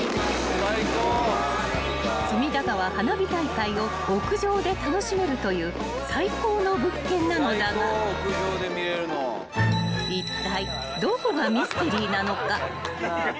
［隅田川花火大会を屋上で楽しめるという最高の物件なのだがいったい］